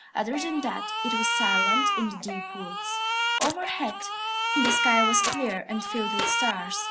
Other than that, it was silent in the deep woods. Overhead the sky was clear and filled with stars.